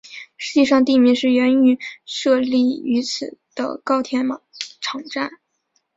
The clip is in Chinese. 实际上地名是源自于设立于此的高田马场站。